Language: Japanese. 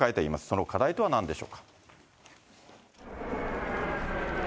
その課題とはなんでしょうか。